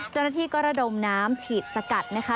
เจ้าหน้าที่ก็ระดมน้ำฉีดสกัดนะคะ